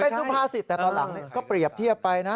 เป็นสุพาสิทธิ์แต่ตอนหลังก็เปรียบเทียบไปนะ